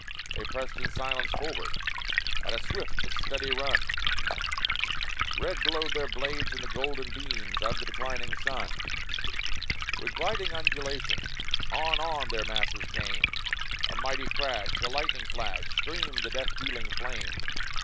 They pressed in silence forward At a swift but steady run, Red glowed their blades in the golden beams Of the declining sun; With gliding undulation, On, on their masses came A mighty crash a lightning flash Streamed the death dealing flame.